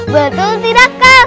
betul tidak kak